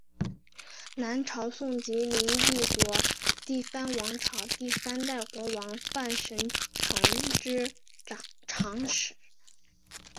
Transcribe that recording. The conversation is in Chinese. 南朝宋及林邑国第三王朝第三代国王范神成之长史。